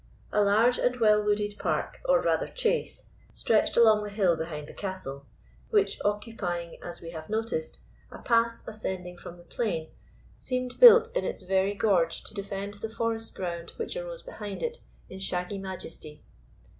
A large and well wooded park, or rather chase, stretched along the hill behind the castle, which, occupying, as we have noticed, a pass ascending from the plain, seemed built in its very gorge to defend the forest ground which arose behind it in shaggy majesty.